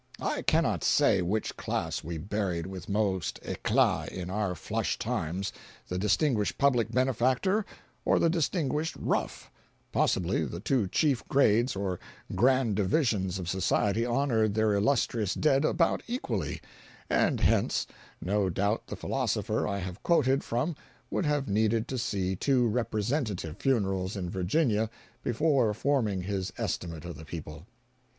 I cannot say which class we buried with most eclat in our "flush times," the distinguished public benefactor or the distinguished rough—possibly the two chief grades or grand divisions of society honored their illustrious dead about equally; and hence, no doubt the philosopher I have quoted from would have needed to see two representative funerals in Virginia before forming his estimate of the people.